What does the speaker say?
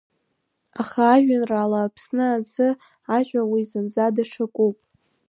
Аха ажәеинраала Аԥсны азы ажәа уи зынӡа даҽакуп.